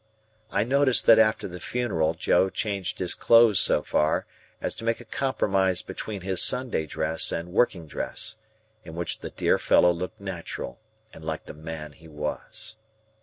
I noticed that after the funeral Joe changed his clothes so far, as to make a compromise between his Sunday dress and working dress; in which the dear fellow looked natural, and like the Man he was.